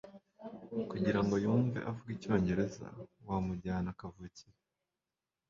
Kugira ngo yumve avuga icyongereza, wamujyana kavukire